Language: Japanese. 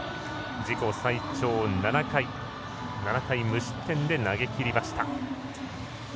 自己最長７回無失点で投げきりました。